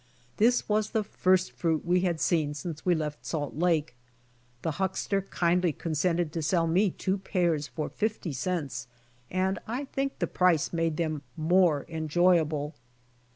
This was the first fruit we had seen since we had left Salt Lake. The huckster kindly consented to sell me two pears for fifty cents and I think the price made them more enjoyable.